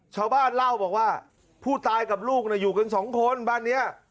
ชาวบ้านเล่าบอกว่าผู้ตายกับลูกอยู่กันสองคนบ้านนี้